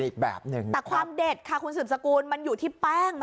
นี่มันน่ากินหมดก็ลักษณะวิธีทำมันเหมือนครีปนี่แหละค่ะ